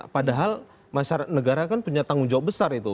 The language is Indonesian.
padahal negara kan punya tanggung jawab besar itu